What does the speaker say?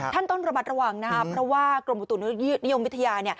ท่านต้องระมัดระวังนะครับเพราะว่ากรมอุตุนิยมวิทยา